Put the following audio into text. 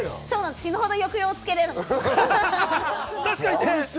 死ぬほど抑揚つけられる。